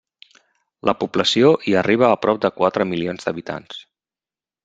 La població hi arriba a prop de quatre milions d'habitants.